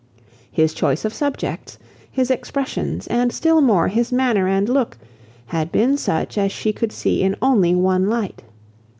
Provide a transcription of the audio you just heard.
His choice of subjects, his expressions, and still more his manner and look, had been such as she could see in only one light.